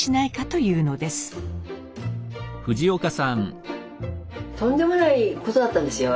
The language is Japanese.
とんでもないことだったんですよ。